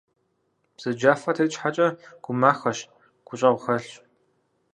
Бзаджафэ тет щхьэкӏэ, гумахэщ, гущӏэгъу хьэлъщ.